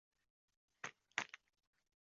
帕诺拉马是巴西圣保罗州的一个市镇。